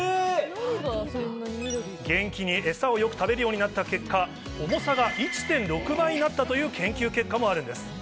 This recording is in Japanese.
元気にエサをよく食べるようになった結果、重さが１．６倍になったという研究結果もあるんです。